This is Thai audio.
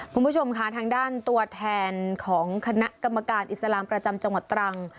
คุณผู้ชมค่ะทางด้านตัวแทนของคณะกรรมการอิสลามประจำจังหวัดตรัง